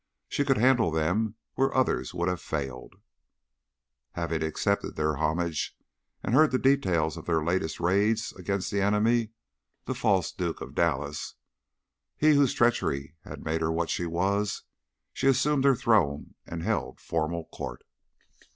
She could handle them where others would have failed. Having accepted their homage and heard the details of their latest raids against her enemy, the false Duke of Dallas he whose treachery had made her what she was she assumed her throne and held formal court.